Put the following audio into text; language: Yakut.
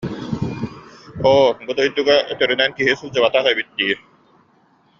Оо, бу дойдуга өтөрүнэн киһи сылдьыбатах эбит дии